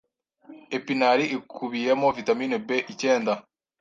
Epinari ikubiyemo vitamini B icyenda